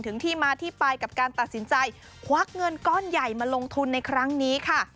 ที่มาที่ไปกับการตัดสินใจควักเงินก้อนใหญ่มาลงทุนในครั้งนี้ค่ะ